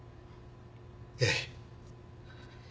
ええ。